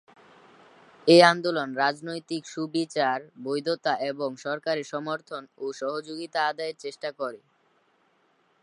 এ আন্দোলন রাজনৈতিক সুবিচার, বৈধতা এবং সরকারের সমর্থন ও সহযোগিতা আদায়ের চেষ্টা করে।